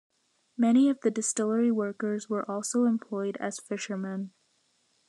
Many of the distillery workers were also employed as fishermen.